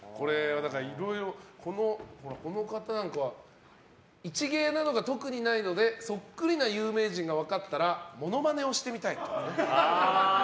この方なんかは一芸などが特にないのでそっくりな有名人が分かったらモノマネをしてみたいと。